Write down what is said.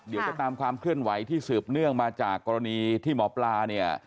เดี๋ยวจะตามความเคลื่อนไหวที่สืบเนื่องมาจากกรณีที่หมอปลาเนี่ย